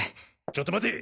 ちょっと待て！